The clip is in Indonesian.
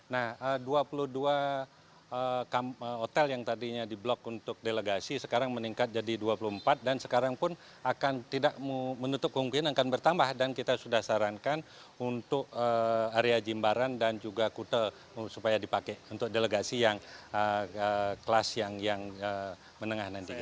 nah dua puluh dua hotel yang tadinya di blok untuk delegasi sekarang meningkat jadi dua puluh empat dan sekarang pun akan tidak menutup kemungkinan akan bertambah dan kita sudah sarankan untuk area jimbaran dan juga kute supaya dipakai untuk delegasi yang kelas yang menengah nanti